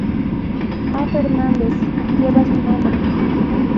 A. Fernández", lleva su nombre.